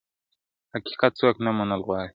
حقيقت څوک نه منل غواړي تل،